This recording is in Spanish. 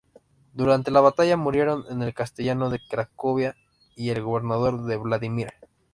Durante la batalla, murieron el castellano de Cracovia y el gobernador de Vladimir.